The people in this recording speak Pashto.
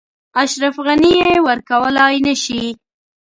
اشرف غني یې ورکولای نه شي.